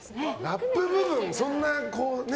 ラップ部分そんなね。